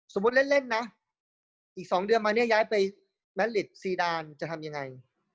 เล่นนะอีก๒เดือนมาเนี่ยย้ายไปแมทลิดซีดานจะทำยังไง